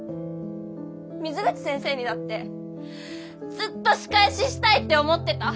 水口先生にだってずっと仕返ししたいって思ってた。